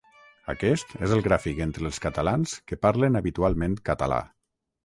Aquest és el gràfic entre els catalans que parlen habitualment català.